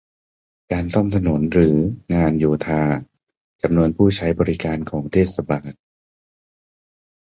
การซ่อมถนน หรือ งานโยธา จำนวนผู้ใช้บริการของเทศบาล